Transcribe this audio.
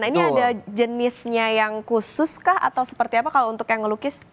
nah ini ada jenisnya yang khusus kah atau seperti apa kalau untuk yang ngelukis